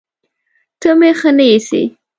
ته مې ښه نه ايسې